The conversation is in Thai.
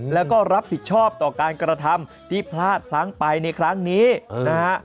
แล้วก็รับผิดชอบต่อการกระทำที่พลาดพลั้งไปในครั้งนี้นะฮะ